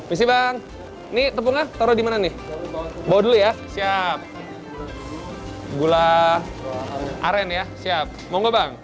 visi bang ini tepungnya taruh di mana nih bawa dulu ya siap gula aren ya siap monggo bang